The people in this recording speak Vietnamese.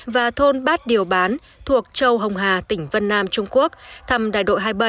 và thôn bát điều bán thuộc châu hồng hà tỉnh vân nam trung quốc thăm đại đội hai mươi bảy